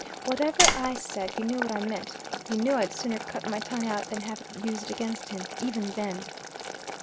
"Whatever I said, you knew what I meant. You knew I'd sooner cut my tongue out than have it used against him. Even then."